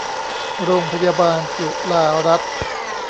โรงพยาบาลจุฬารัตน์